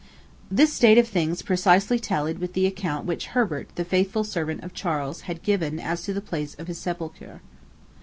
This state of things precisely tallied with the account which Herbert, the faithful servant of Charles, had given as to the place of his sepulture.